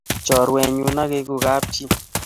Choruenyu akeku kobchi